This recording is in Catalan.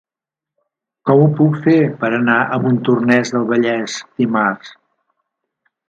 Com ho puc fer per anar a Montornès del Vallès dimarts?